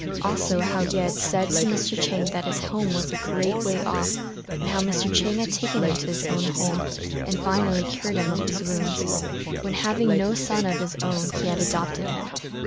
Also how he had said to Mr. Chang that his home was a great way off, and how Mr. Chang had taken him to his own home, and finally cured him of his wounds; when, having no son of his own, he had adopted him.